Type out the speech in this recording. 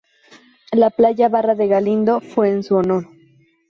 La playa barra de galindo fue en su honor.